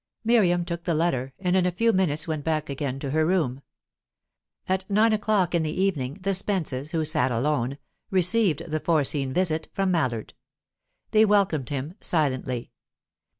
Miriam took the letter, and in a few minutes went back again to her room. At nine o'clock in the evening, the Spences, who sat alone, received the foreseen visit from Mallard. They welcomed him silently.